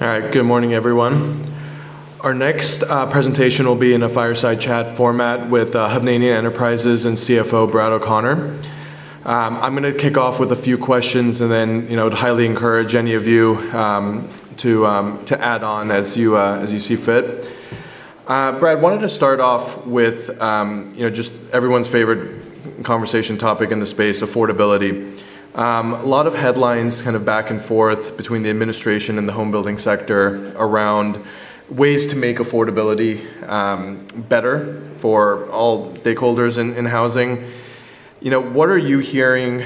All right. Good morning, everyone. Our next presentation will be in a fireside chat format with Hovnanian Enterprises and CFO, Brad O'Connor. I'm gonna kick off with a few questions, and then, you know, I'd highly encourage any of you to add on as you see fit. Brad, wanted to start off with, you know, just everyone's favorite conversation topic in the space, affordability. A lot of headlines kind of back and forth between the administration and the home building sector around ways to make affordability better for all stakeholders in housing. You know, what are you hearing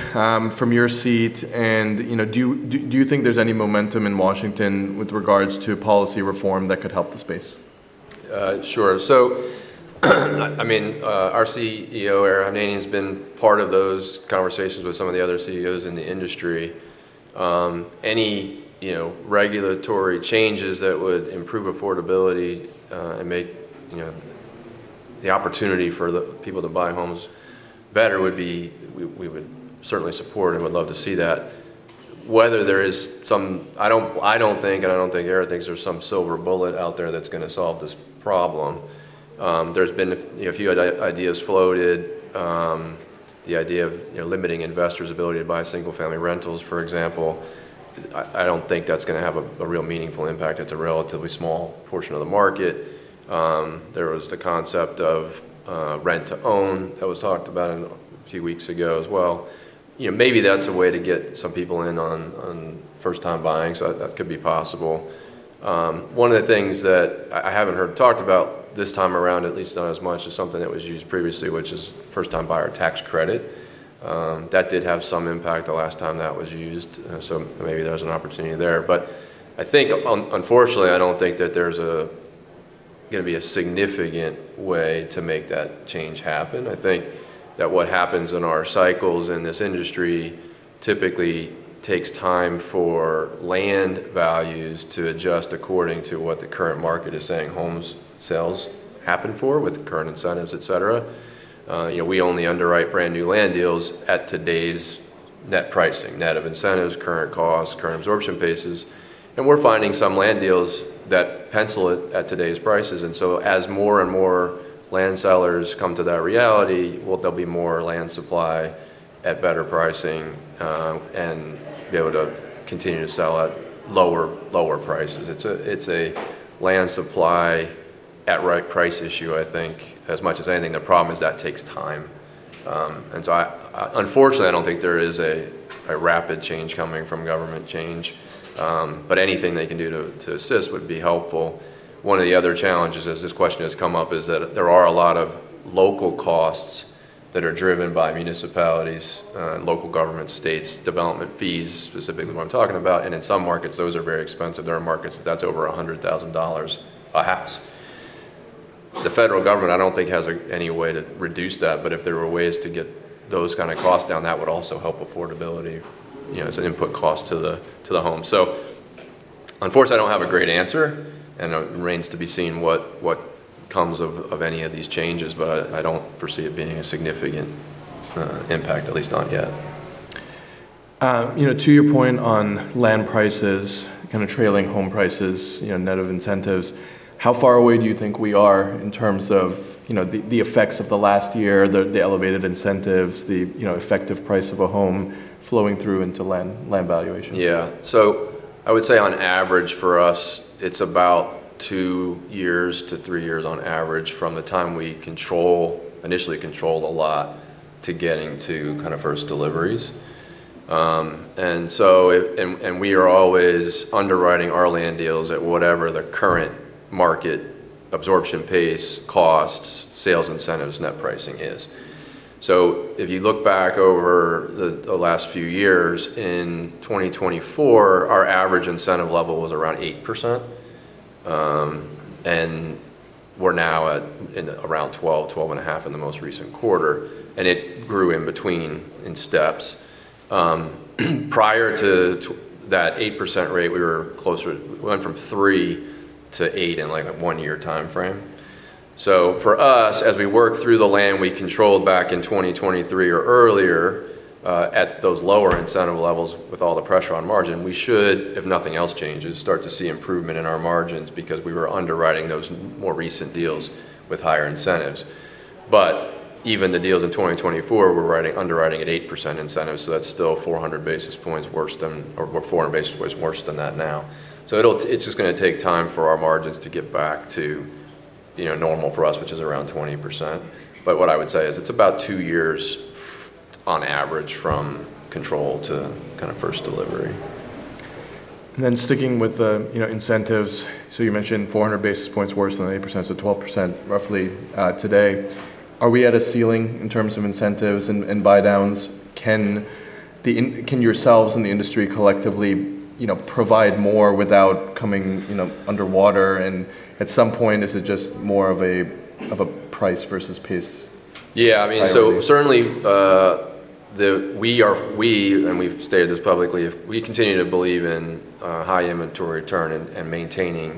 from your seat and, you know, do you think there's any momentum in Washington with regards to policy reform that could help the space? Sure. I mean, our CEO, Ara Hovnanian, has been part of those conversations with some of the other CEOs in the industry. Any, you know, regulatory changes that would improve affordability and make, you know, the opportunity for the people to buy homes better, we would certainly support and would love to see that. I don't think, and I don't think Ara thinks there's some silver bullet out there that's gonna solve this problem. There's been, you know, a few ideas floated. The idea of, you know, limiting investors' ability to buy single-family rentals, for example. I don't think that's gonna have a real meaningful impact. It's a relatively small portion of the market. There was the concept of rent-to-own that was talked about a few weeks ago as well. You know, maybe that's a way to get some people in on first-time buying, so that could be possible. One of the things that I haven't heard talked about this time around, at least not as much, is something that was used previously, which is first-time buyer tax credit. That did have some impact the last time that was used, so maybe there's an opportunity there. I think unfortunately, I don't think that there's going to be a significant way to make that change happen. I think that what happens in our cycles in this industry typically takes time for land values to adjust according to what the current market is saying home sales happen for with current incentives, et cetera. You know, we only underwrite brand-new land deals at today's net pricing, net of incentives, current costs, current absorption paces, and we're finding some land deals that pencil it at today's prices. As more and more land sellers come to that reality, well, there'll be more land supply at better pricing, and be able to continue to sell at lower prices. It's a, it's a land supply at right price issue, I think, as much as anything. The problem is that takes time. I, unfortunately, I don't think there is a rapid change coming from government change. Anything they can do to assist would be helpful. One of the other challenges as this question has come up is that there are a lot of local costs that are driven by municipalities, local government, states, development fees, specifically what I'm talking about, and in some markets, those are very expensive. There are markets that that's over $100,000 a house. The federal government I don't think has any way to reduce that, but if there were ways to get those kinda costs down, that would also help affordability, you know, as an input cost to the home. Unfortunately, I don't have a great answer, and it remains to be seen what comes of any of these changes. I don't foresee it being a significant impact, at least not yet. You know, to your point on land prices kinda trailing home prices, you know, net of incentives, how far away do you think we are in terms of, you know, the effects of the last year, the elevated incentives, the effective price of a home flowing through into land valuation? I would say on average for us, it's about two years to three years on average from the time we control, initially control a lot to getting to kind of first deliveries. We are always underwriting our land deals at whatever the current market absorption pace, costs, sales incentives, net pricing is. If you look back over the last few years, in 2024, our average incentive level was around 8%, and we're now at, in around 12.5% in the most recent quarter, and it grew in between in steps. Prior to that 8% rate, we were closer, it went from 3% to 8% in like a one-year timeframe. For us, as we work through the land we controlled back in 2023 or earlier, at those lower incentive levels with all the pressure on margin, we should, if nothing else changes, start to see improvement in our margins because we were underwriting those more recent deals with higher incentives. Even the deals in 2024, we're underwriting at 8% incentives, that's still 400 basis points worse than that now. It's just gonna take time for our margins to get back to, you know, normal for us, which is around 20%. What I would say is it's about two years on average from control to kind of first delivery. Sticking with the, you know, incentives, you mentioned 400 basis points worse than the 8%, so 12% roughly, today. Are we at a ceiling in terms of incentives and buydowns? Can yourselves and the industry collectively, you know, provide more without coming, you know, underwater? At some point, is it just more of a, of a price versus pace... Yeah. I mean- -priority? Certainly, We, and we've stated this publicly, we continue to believe in high inventory turn and maintaining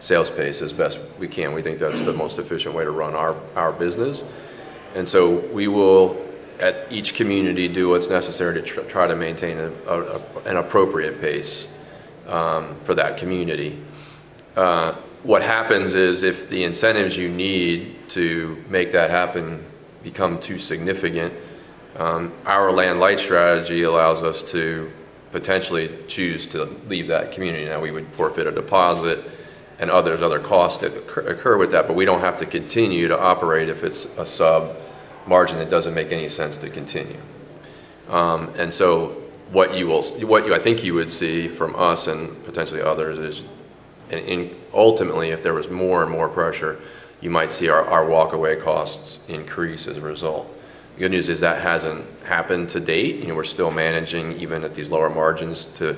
sales pace as best we can. We think that's the most efficient way to run our business. We will, at each community, do what's necessary to try to maintain an appropriate pace for that community. What happens is if the incentives you need to make that happen become too significant, our land-light strategy allows us to potentially choose to leave that community. Now, we would forfeit a deposit, and other, there's other costs that occur with that, but we don't have to continue to operate if it's a sub-margin that doesn't make any sense to continue. What you, I think you would see from us and potentially others is Ultimately, if there was more and more pressure, you might see our walkaway costs increase as a result. The good news is that hasn't happened to date. You know, we're still managing, even at these lower margins, to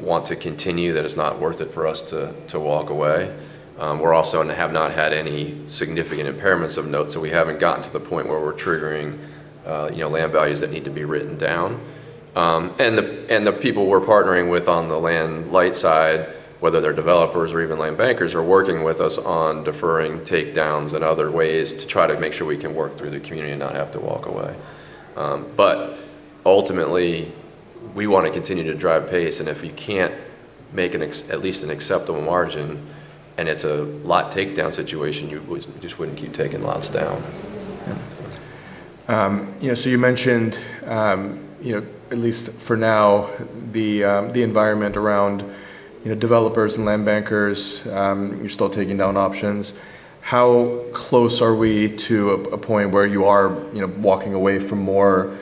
want to continue. That it's not worth it for us to walk away. We're also have not had any significant impairments of notes, so we haven't gotten to the point where we're triggering, you know, land values that need to be written down. The people we're partnering with on the land-light side, whether they're developers or even land bankers, are working with us on deferring takedowns and other ways to try to make sure we can work through the community and not have to walk away. Ultimately, we wanna continue to drive pace, and if you can't make at least an acceptable margin, and it's a lot takedown situation, you just wouldn't keep taking lots down. Yeah. You know, you mentioned, you know, at least for now, the environment around, you know, developers and land bankers, you're still taking down options. How close are we to a point where you are, you know, walking away from more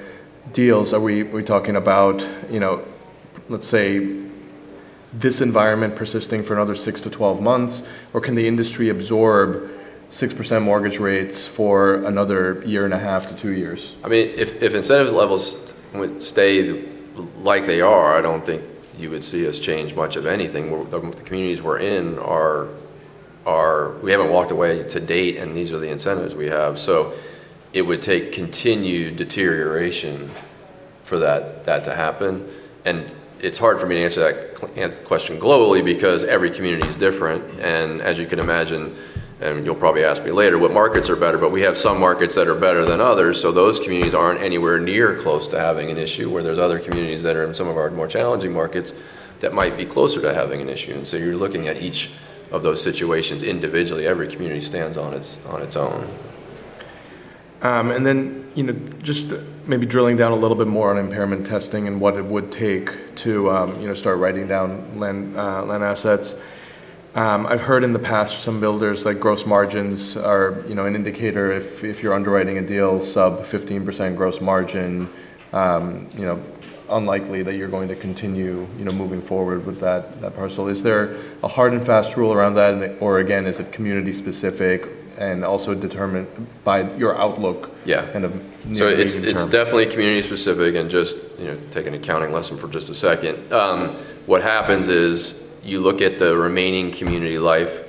deals? Are we talking about, you know, let's say, this environment persisting for another six to 12 months, or can the industry absorb 6% mortgage rates for another a year and half to two years? I mean, if incentive levels would stay like they are, I don't think you would see us change much of anything. We haven't walked away to date, and these are the incentives we have. It would take continued deterioration for that to happen. It's hard for me to answer that question globally because every community is different. As you can imagine, and you'll probably ask me later what markets are better, but we have some markets that are better than others. Those communities aren't anywhere near close to having an issue, where there's other communities that are in some of our more challenging markets that might be closer to having an issue. You're looking at each of those situations individually. Every community stands on its own. You know, just maybe drilling down a little bit more on impairment testing and what it would take to, you know, start writing down land assets. I've heard in the past some builders, like gross margins are, you know, an indicator if you're underwriting a deal sub 15% gross margin, you know, unlikely that you're going to continue, you know, moving forward with that parcel. Is there a hard and fast rule around that? Or again, is it community specific and also determined by your outlook? Yeah Kind of near to medium term? It's, it's definitely community specific. Just, you know, take an accounting lesson for just a second. What happens is you look at the remaining community life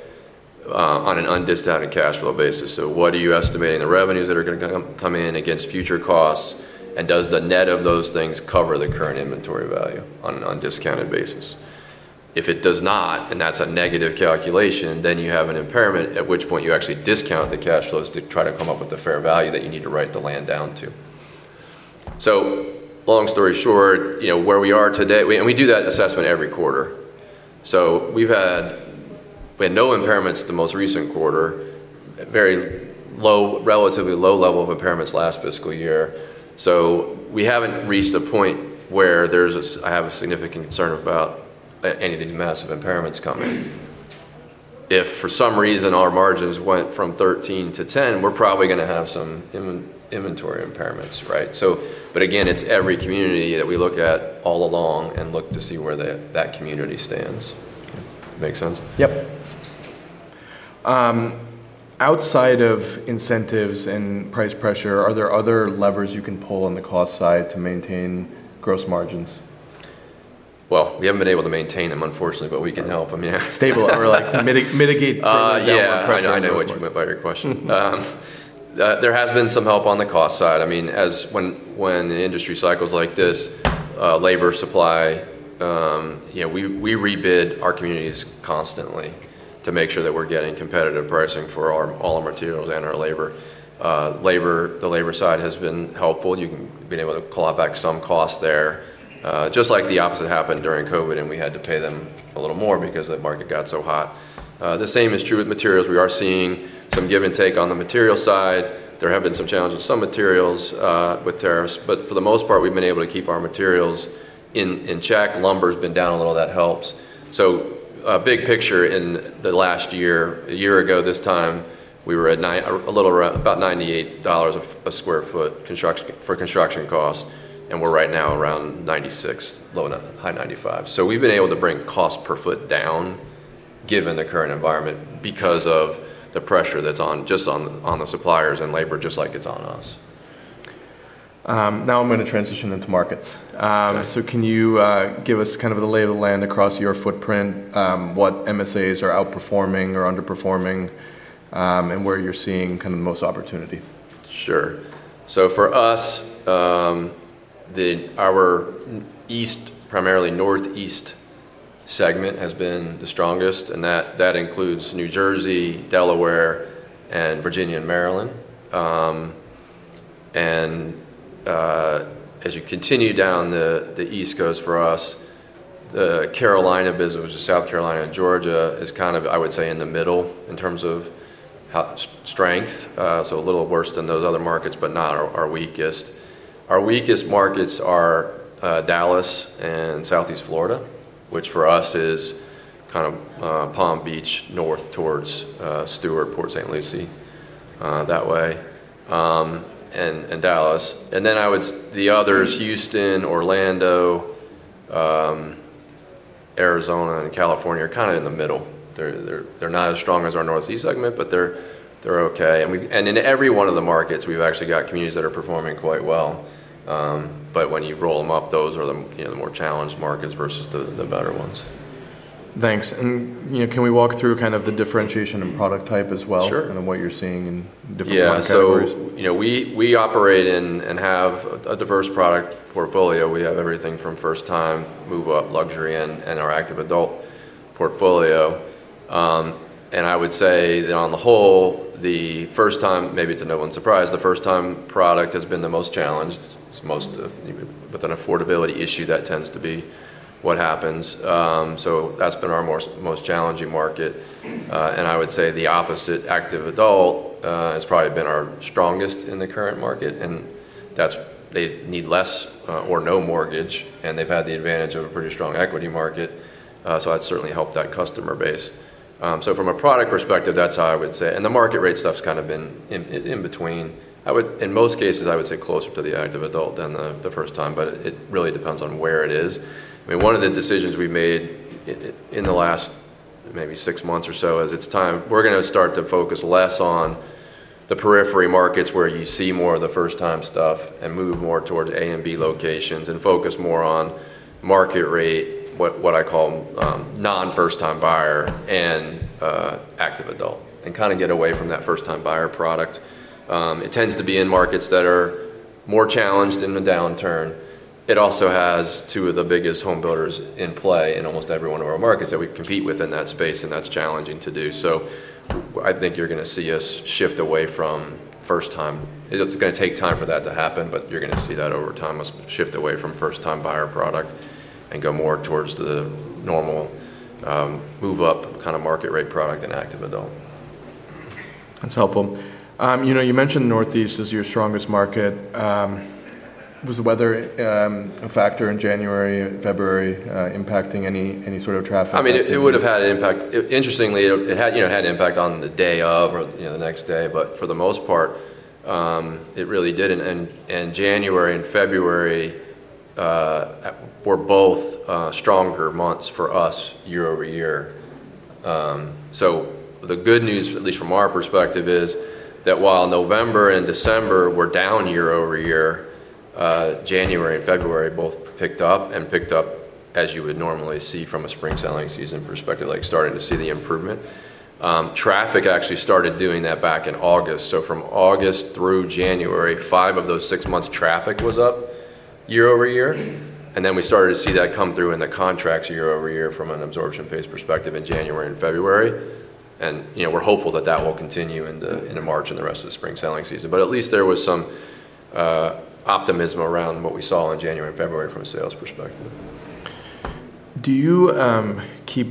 on an undiscounted cash flow basis. What are you estimating the revenues that are gonna come in against future costs, and does the net of those things cover the current inventory value on an undiscounted basis? If it does not, and that's a negative calculation, then you have an impairment, at which point you actually discount the cash flows to try to come up with the fair value that you need to write the land down to. Long story short, you know, where we are today. We do that assessment every quarter. We had no impairments the most recent quarter, very low, relatively low level of impairments last fiscal year. We haven't reached a point where I have a significant concern about any of these massive impairments coming. If for some reason our margins went from 13 to 10, we're probably gonna have some inventory impairments, right? Again, it's every community that we look at all along and look to see where the, that community stands. Make sense? Yep. Outside of incentives and price pressure, are there other levers you can pull on the cost side to maintain gross margins? Well, we haven't been able to maintain them, unfortunately, but we can help. I mean Stable them or like mitigate further down pressure on those margins. Yeah. No, I know what you meant by your question. There has been some help on the cost side. I mean, as when the industry cycles like this, labor supply, you know, we rebid our communities constantly to make sure that we're getting competitive pricing for all our materials and our labor. The labor side has been helpful. You've been able to claw back some cost there. Just like the opposite happened during COVID, and we had to pay them a little more because the market got so hot. The same is true with materials. We are seeing some give and take on the material side. There have been some challenges with some materials with tariffs. For the most part, we've been able to keep our materials in check. Lumber's been down a little. That helps. Big picture in the last year, a year ago this time, we were at about $98 a square foot construction, for construction costs, and we're right now around $96, high $95. We've been able to bring cost per foot down given the current environment because of the pressure that's on the suppliers and labor, just like it's on us. Now I'm gonna transition into markets. Okay. Can you give us kind of the lay of the land across your footprint, what MSAs are outperforming or underperforming, and where you're seeing kind of the most opportunity? Sure. For us, our east, primarily Northeast segment has been the strongest, and that includes New Jersey, Delaware, and Virginia, and Maryland. As you continue down the East Coast for us, the Carolina business, which is South Carolina and Georgia, is kind of, I would say, in the middle in terms of strength. A little worse than those other markets, but not our weakest. Our weakest markets are Dallas and Southeast Florida, which for us is kind of Palm Beach north towards Stuart, Port St. Lucie, that way, and Dallas. The others, Houston, Orlando, Arizona, and California are kinda in the middle. They're not as strong as our Northeast segment, but they're okay. In every one of the markets, we've actually got communities that are performing quite well. But when you roll them up, those are the you know, the more challenged markets versus the better ones. Thanks. You know, can we walk through kind of the differentiation in product type as well? Sure And what you're seeing in different product categories? You know, we operate and have a diverse product portfolio. We have everything from first time, move-up luxury, and our active adult portfolio. I would say that on the whole, the first time, maybe to no one's surprise, the first time product has been the most challenged. With an affordability issue, that tends to be what happens. That's been our most challenging market. I would say the opposite, active adult, has probably been our strongest in the current market, and that's they need less or no mortgage, and they've had the advantage of a pretty strong equity market, that's certainly helped that customer base. From a product perspective, that's how I would say. The market rate stuff's kind of been in between. In most cases, I would say closer to the active adult than the first time, but it really depends on where it is. I mean, one of the decisions we made in the last maybe six months or so is it's time. We're gonna start to focus less on the periphery markets where you see more of the first-time stuff and move more towards A and B locations and focus more on market rate, what I call, non-first-time buyer and active adult and kinda get away from that first-time buyer product. It tends to be in markets that are more challenged in the downturn. It also has two of the biggest home builders in play in almost every one of our markets that we compete with in that space, and that's challenging to do. I think you're gonna see us shift away from first time. It's gonna take time for that to happen, but you're gonna see that over time, a shift away from first-time buyer product and go more towards the normal, move-up kind of market rate product and active adult. That's helpful. you know, you mentioned Northeast as your strongest market. Was the weather a factor in January or February, impacting any sort of traffic activity? I mean, it would have had an impact. Interestingly, it had, you know, had an impact on the day of or, you know, the next day. For the most part, it really didn't. January and February were both stronger months for us year-over-year. The good news, at least from our perspective, is that while November and December were down year-over-year, January and February both picked up and picked up as you would normally see from a spring selling season perspective, like starting to see the improvement. Traffic actually started doing that back in August. From August through January, 5 of those six months, traffic was up year-over-year. We started to see that come through in the contracts year-over-year from an absorption phase perspective in January and February. You know, we're hopeful that that will continue into March and the rest of the spring selling season. At least there was some optimism around what we saw in January and February from a sales perspective. Do you keep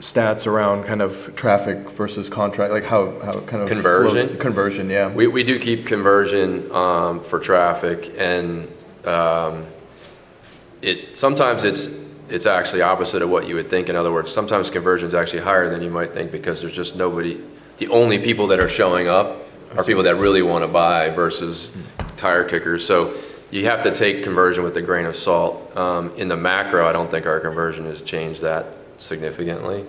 stats around kind of traffic versus contract? Like how it kind of flow-? Conversion? Conversion, yeah. We do keep conversion for traffic. Sometimes it's actually opposite of what you would think. In other words, sometimes conversion is actually higher than you might think because there's just nobody. The only people that are showing up are people that really wanna buy versus tire kickers. You have to take conversion with a grain of salt. In the macro, I don't think our conversion has changed that significantly.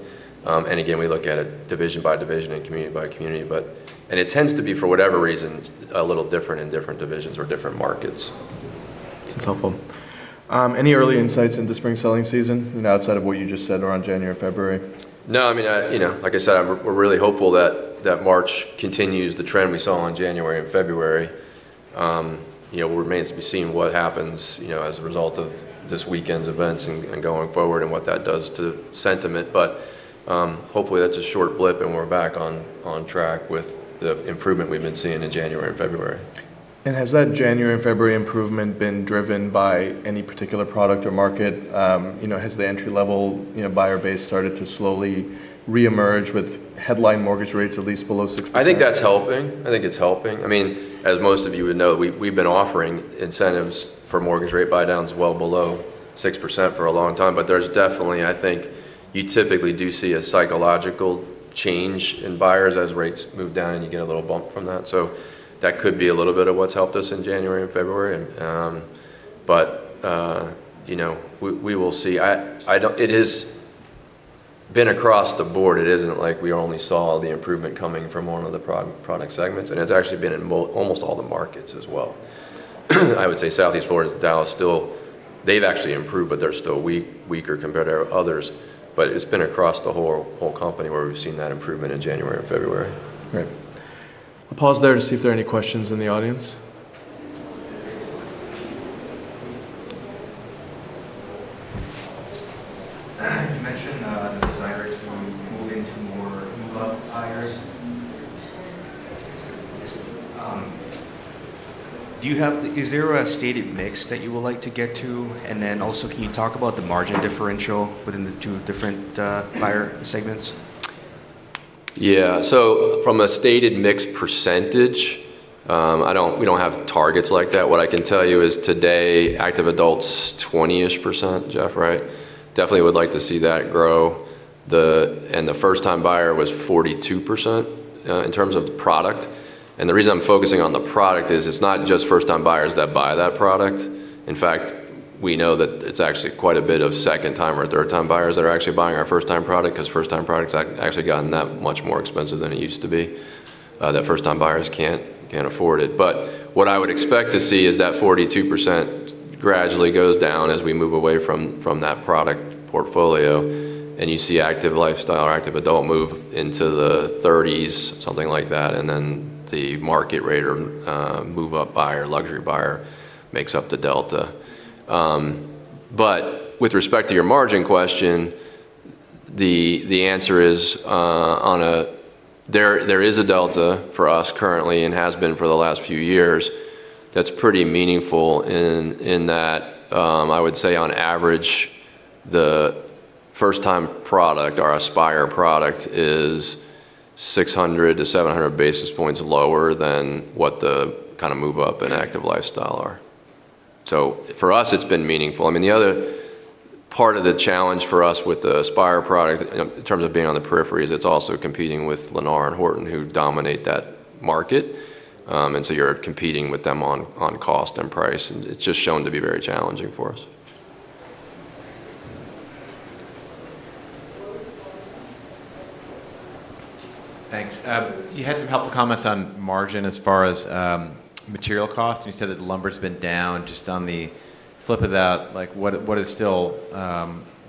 Again, we look at it division by division and community by community. It tends to be, for whatever reason, a little different in different divisions or different markets. That's helpful. Any early insights into spring selling season outside of what you just said around January and February? No, I mean, I, you know, like I said, we're really hopeful that March continues the trend we saw in January and February. You know, it remains to be seen what happens, you know, as a result of this weekend's events and going forward and what that does to sentiment. Hopefully, that's a short blip, and we're back on track with the improvement we've been seeing in January and February. Has that January and February improvement been driven by any particular product or market? You know, has the entry-level, you know, buyer base started to slowly reemerge with headline mortgage rates at least below 6%? I think that's helping. I think it's helping. I mean, as most of you would know, we've been offering incentives for mortgage rate buydowns well below 6% for a long time. There's definitely, I think you typically do see a psychological change in buyers as rates move down, and you get a little bump from that. That could be a little bit of what's helped us in January and February. But, you know, we will see. I don't. It has been across the board. It isn't like we only saw the improvement coming from one of the product segments, and it's actually been in almost all the markets as well. I would say Southeast Florida, Dallas still, they've actually improved, but they're still weaker compared to others. It's been across the whole company where we've seen that improvement in January and February. Great. I'll pause there to see if there are any questions in the audience. You mentioned, the desire to move into more move-up buyers. Is there a stated mix that you would like to get to? Also, can you talk about the margin differential within the two different buyer segments? Yeah. From a stated mix percentage, we don't have targets like that. What I can tell you is today active adult's 20-ish%. Jeff, right? Definitely would like to see that grow. The first-time buyer was 42% in terms of product. The reason I'm focusing on the product is it's not just first-time buyers that buy that product. In fact, we know that it's actually quite a bit of second-time or third-time buyers that are actually buying our first-time product, 'cause first-time product's actually gotten that much more expensive than it used to be that first-time buyers can't afford it. What I would expect to see is that 42% gradually goes down as we move away from that product portfolio, and you see Active Lifestyle or Active Adult move into the 30s, something like that. The market rate or move-up buyer, luxury buyer makes up the delta. With respect to your margin question, the answer is, there is a delta for us currently, and has been for the last few years, that's pretty meaningful in that, I would say on average the first-time product, our Aspire product, is 600-700 basis points lower than what the kinda move-up and Active Lifestyle are. For us, it's been meaningful. I mean, the other part of the challenge for us with the Aspire product in terms of being on the periphery is it's also competing with Lennar and Horton who dominate that market. You're competing with them on cost and price, and it's just shown to be very challenging for us. Thanks. You had some helpful comments on margin as far as, material cost, and you said that lumber's been down. Just on the flip of that, like, what is still,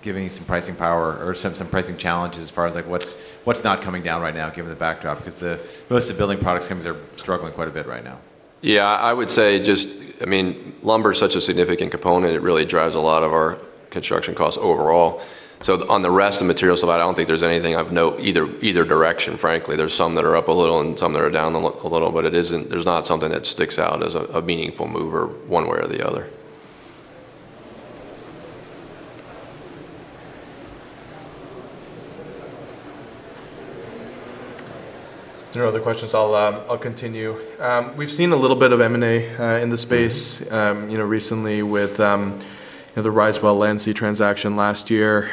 giving you some pricing power or some pricing challenges as far as, like, what's not coming down right now given the backdrop? Most of the building products companies are struggling quite a bit right now. Yeah. I would say just, I mean, lumber is such a significant component. It really drives a lot of our construction costs overall. On the rest of the materials side, I don't think there's anything of note either direction, frankly. There's some that are up a little and some that are down a little, but there's not something that sticks out as a meaningful mover one way or the other. If there are no other questions, I'll continue. We've seen a little bit of M&A in the space, you know, recently with, you know, the Risewell Landseatransaction last year.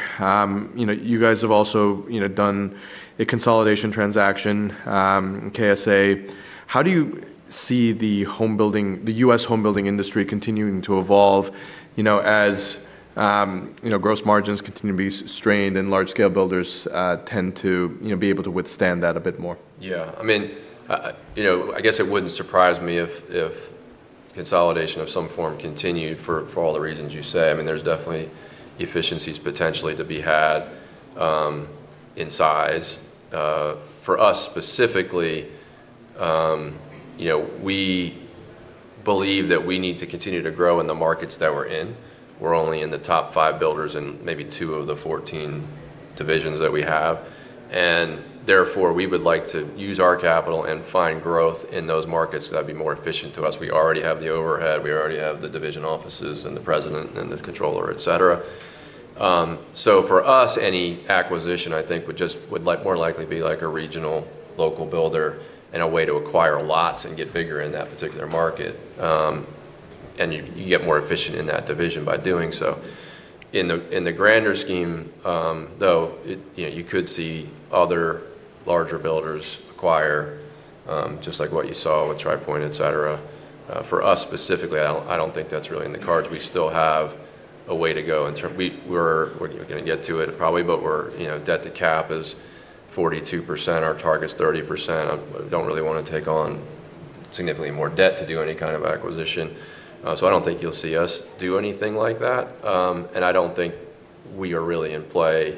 You know, you guys have also, you know, done a consolidation transaction, KSA. How do you see the U.S. home building industry continuing to evolve, you know, as, you know, gross margins continue to be strained and large scale builders tend to, you know, be able to withstand that a bit more? Yeah. I mean, you know, I guess it wouldn't surprise me if consolidation of some form continued for all the reasons you say. I mean, there's definitely efficiencies potentially to be had in size. For us specifically, you know, we believe that we need to continue to grow in the markets that we're in. We're only in the top five builders in maybe two of the 14 divisions that we have. We would like to use our capital and find growth in those markets. That'd be more efficient to us. We already have the overhead, we already have the division offices and the president and the controller, et cetera. For us, any acquisition I think would like more likely be like a regional local builder and a way to acquire lots and get bigger in that particular market. You, you get more efficient in that division by doing so. In the, in the grander scheme, though, it, you know, you could see other larger builders acquire, just like what you saw with Tri Pointe, et cetera. For us specifically, I don't, I don't think that's really in the cards. We still have a way to go. We're gonna get to it probably, but we're, you know, debt to cap is 42%. Our target's 30%. I don't really wanna take on significantly more debt to do any kind of acquisition. I don't think you'll see us do anything like that. I don't think we are really in play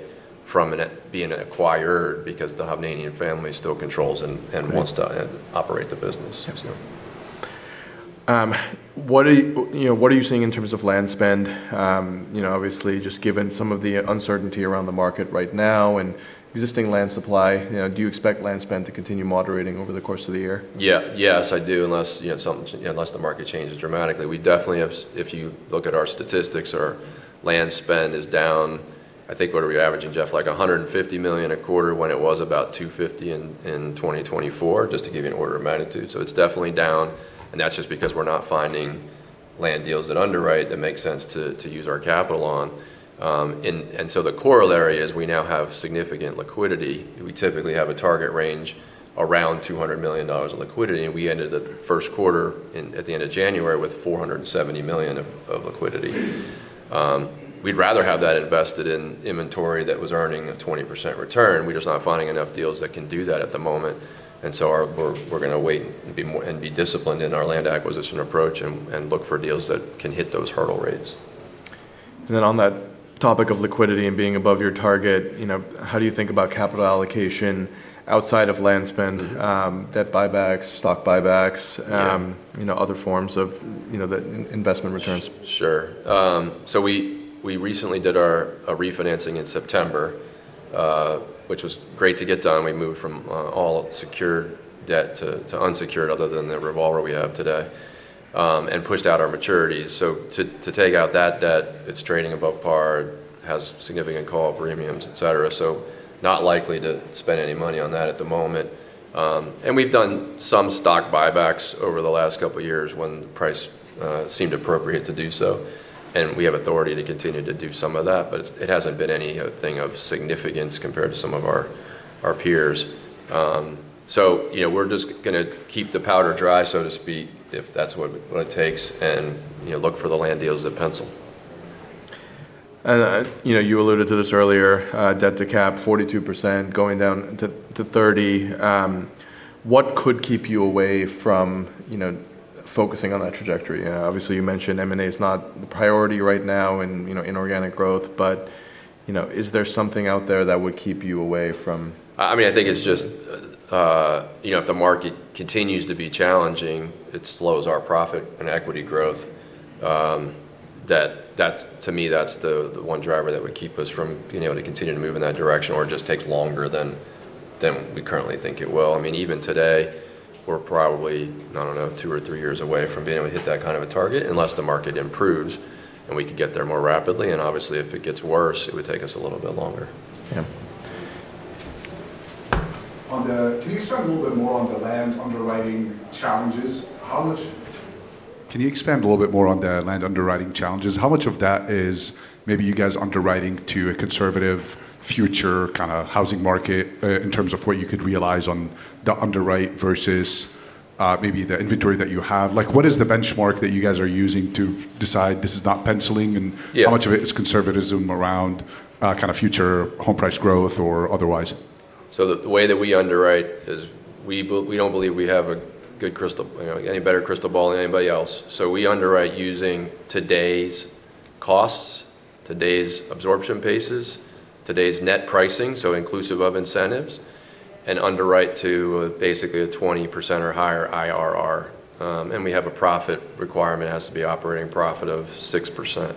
from being an acquirer because the Hovnanian family still controls and wants to operate the business. Yeah. So. What are, you know, what are you seeing in terms of land spend? You know, obviously just given some of the uncertainty around the market right now and existing land supply, you know, do you expect land spend to continue moderating over the course of the year? Yeah. Yes, I do, unless, you know, unless the market changes dramatically. We definitely have if you look at our statistics, our land spend is down, I think, what are we averaging, Jeff? Like, $150 million a quarter when it was about $250 million in 2024, just to give you an order of magnitude. It's definitely down, and that's just because we're not finding land deals that underwrite that make sense to use our capital on. The corollary is we now have significant liquidity. We typically have a target range around $200 million of liquidity, and we ended the first quarter at the end of January with $470 million of liquidity. We'd rather have that invested in inventory that was earning a 20% return. We're just not finding enough deals that can do that at the moment. We're gonna wait and be disciplined in our land acquisition approach and look for deals that can hit those hurdle rates. On that topic of liquidity and being above your target, you know, how do you think about capital allocation outside of land spend, debt buybacks, stock buybacks. Yeah... you know, other forms of, you know, the in-investment returns? Sure. We recently did a refinancing in September, which was great to get done. We moved from all secured debt to unsecured other than the revolver we have today, and pushed out our maturities. To take out that debt, it's trading above par, has significant call premiums, et cetera. Not likely to spend any money on that at the moment. We've done some stock buybacks over the last two years when the price seemed appropriate to do so, and we have authority to continue to do some of that. It hasn't been anything of significance compared to some of our peers. You know, we're just gonna keep the powder dry, so to speak, if that's what it takes, and, you know, look for the land deals that pencil. You know, you alluded to this earlier, debt to cap 42% going down to 30. What could keep you away from, you know, focusing on that trajectory? Obviously, you mentioned M&A is not the priority right now and, you know, inorganic growth. You know, is there something out there that would keep you away from? I mean, I think it's just, you know, if the market continues to be challenging, it slows our profit and equity growth. To me, that's the one driver that would keep us from being able to continue to move in that direction or just takes longer than we currently think it will. I mean, even today, we're probably, I don't know, two or three years away from being able to hit that kind of a target unless the market improves and we can get there more rapidly. Obviously, if it gets worse, it would take us a little bit longer. Yeah. Can you expand a little bit more on the land underwriting challenges? How much of that is maybe you guys underwriting to a conservative future kinda housing market in terms of what you could realize on the underwrite versus maybe the inventory that you have? Like, what is the benchmark that you guys are using to decide this is not penciling? Yeah How much of it is conservatism around kind of future home price growth or otherwise? The way that we underwrite is we don't believe we have a good crystal, you know, any better crystal ball than anybody else. We underwrite using today's costs, today's absorption paces, today's net pricing, so inclusive of incentives, and underwrite to basically a 20% or higher IRR. We have a profit requirement. It has to be operating profit of 6%.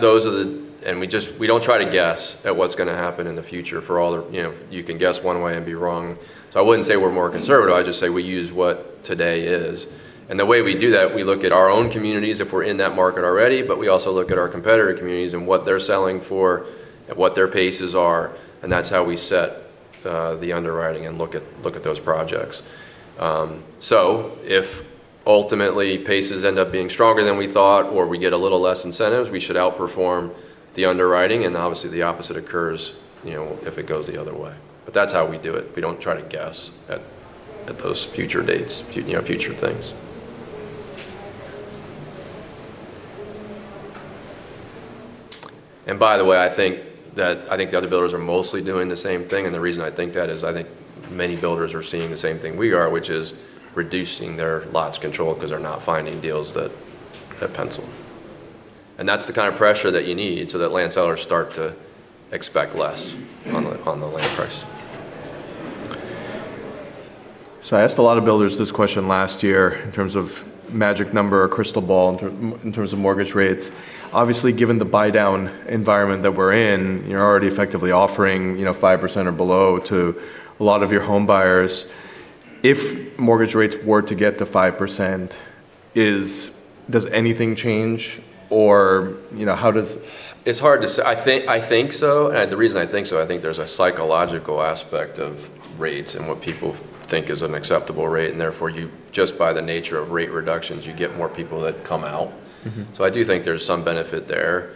Those are the. We just don't try to guess at what's gonna happen in the future for all the. You know, you can guess one way and be wrong. I wouldn't say we're more conservative. I'd just say we use what today is. The way we do that, we look at our own communities if we're in that market already, but we also look at our competitor communities and what they're selling for and what their paces are, and that's how we set the underwriting and look at those projects. If ultimately paces end up being stronger than we thought or we get a little less incentives, we should outperform the underwriting, and obviously the opposite occurs, you know, if it goes the other way. That's how we do it. We don't try to guess at those future dates, you know, future things. By the way, I think the other builders are mostly doing the same thing, and the reason I think that is I think many builders are seeing the same thing we are, which is reducing their lots control because they're not finding deals that pencil. That's the kind of pressure that you need so that land sellers start to expect less on the land price. I asked a lot of builders this question last year in terms of magic number or crystal ball in terms of mortgage rates. Obviously, given the buy-down environment that we're in, you're already effectively offering, you know, 5% or below to a lot of your home buyers. If mortgage rates were to get to 5%, does anything change? you know, how does? It's hard to say. I think so. The reason I think so, I think there's a psychological aspect of rates and what people think is an acceptable rate. Therefore you, just by the nature of rate reductions, you get more people that come out. Mm-hmm. I do think there's some benefit there.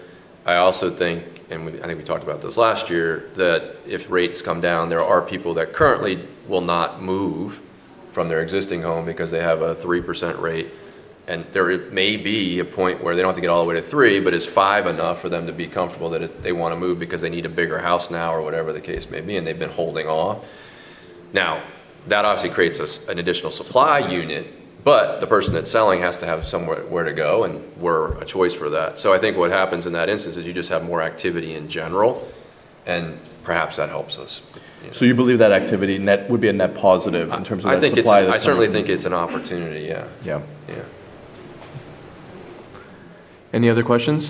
I also think, I think we talked about this last year, that if rates come down, there are people that currently will not move from their existing home because they have a 3% rate. There may be a point where they don't have to get all the way to 3%, but is 5% enough for them to be comfortable that if they wanna move because they need a bigger house now or whatever the case may be, and they've been holding off. That obviously creates us an additional supply unit, but the person that's selling has to have somewhere where to go, and we're a choice for that. I think what happens in that instance is you just have more activity in general, and perhaps that helps us. You believe that activity would be a net positive in terms of that supply. I certainly think it's an opportunity, yeah. Yeah. Yeah. Any other questions?